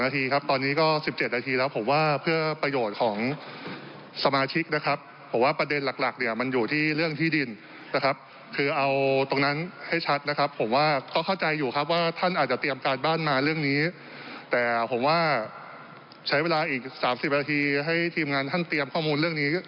แต่ผมว่าใช้เวลาอีก๓๐นาทีให้ทีมงานท่านเตรียมข้อมูลเรื่องนี้